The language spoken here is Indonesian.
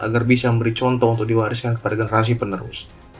agar bisa memberi contoh untuk diwariskan kepada generasi penerus